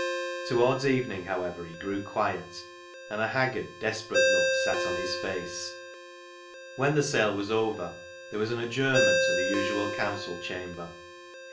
Towards evening, however, he grew quiet, and a haggard, desperate look sat on his face. When the sale was over there was an ad 136 CLOG SHOP CHRONICLES journment to the usual council chamber.